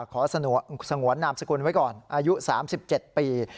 ขอสงวนนามสกุลไว้ก่อนอายุ๓๗ปี